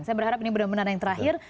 saya berharap ini benar benar yang terakhir